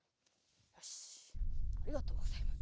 よしありがとうございます。